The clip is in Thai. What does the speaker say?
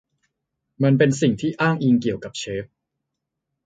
มันเป็นสิ่งที่อ้างอิงเกี่ยวกับเชฟ